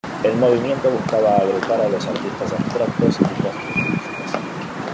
El movimiento buscaba agrupar a los artistas abstractos y constructivistas.